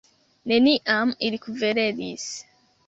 Neniam ili kverelis.